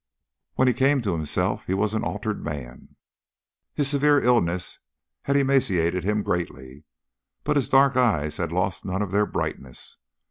When he came to himself he was an altered man. His severe illness had emaciated him greatly, but his dark eyes had lost none of their brightness.